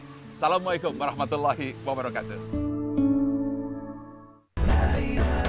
assalamu'alaikum warahmatullahi wabarakatuh